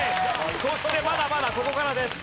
そしてまだまだここからです。